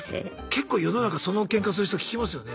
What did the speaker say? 結構世の中そのけんかする人聞きますよね。